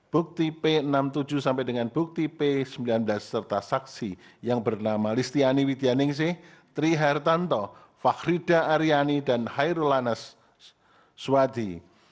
bukti p enam puluh tujuh sampai dengan bukti p sembilan belas serta saksi yang bernama listiani widjaningsih triher tanto fakhrida aryani dan hairulanes swadi